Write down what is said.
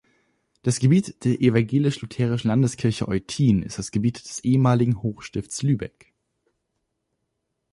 Das Gebiet der Evangelisch-Lutherischen Landeskirche Eutin ist das Gebiet des ehemaligen Hochstifts Lübeck.